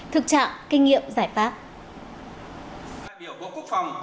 thực trạng kinh nghiệm giải pháp